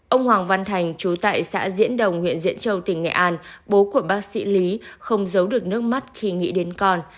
ông hoàng văn thành chú tại xã diễn đồng huyện diễn châu tỉnh nghệ an bố của bác sĩ lý không giấu được nước mắt khi nghĩ đến con